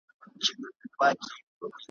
ته ورځه زه در پسې یم زه هم ژر در روانېږم `